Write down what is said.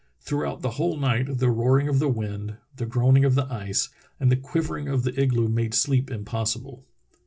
Throughout the whole night the roaring of the wind, the groaning of the ice, and the quivering of the igloo made sleep impossible.